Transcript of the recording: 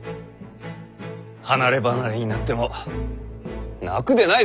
離れ離れになっても泣くでないぞ！